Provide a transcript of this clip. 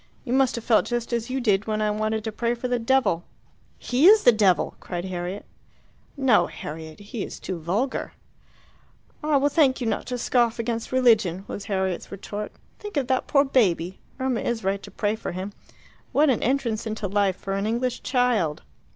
"You must have felt just as you did when I wanted to pray for the devil." "He is the devil," cried Harriet. "No, Harriet; he is too vulgar." "I will thank you not to scoff against religion!" was Harriet's retort. "Think of that poor baby. Irma is right to pray for him. What an entrance into life for an English child!"